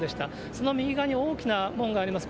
その右側に大きな門があります。